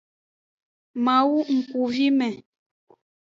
Mawu ngkuvime.